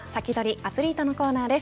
アツリートのコーナーです。